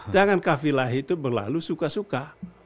jangan kafilah itu berlalu suka suka